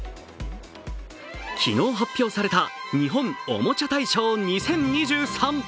昨日発表された日本おもちゃ大賞２０２３。